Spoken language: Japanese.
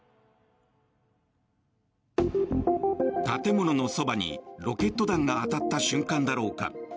建物のそばにロケット弾が当たった瞬間だろうか。